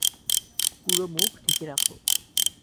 পুরো মুখ ঢেকে রাখ।